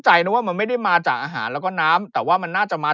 ใจนะว่ามันไม่ได้มาจากอาหารแล้วก็น้ำแต่ว่ามันน่าจะมา